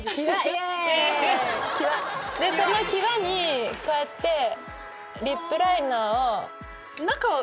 際にこうやってリップライナーを。